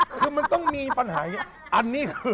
คือมันต้องมีปัญหาอย่างนี้